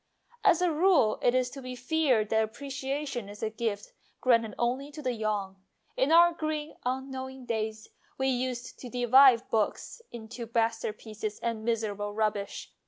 As a rule it is to be feared that apprecia tion is a gift granted only to the young. In our green, unknowing days we used to divide books into masterpieces and miserable rub bish.